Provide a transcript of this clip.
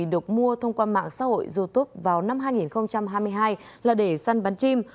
được mua thông qua mạng xã hội youtube vào năm hai nghìn hai mươi hai là để săn bắn chim